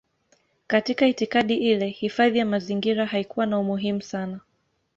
Katika itikadi ile hifadhi ya mazingira haikuwa na umuhimu sana.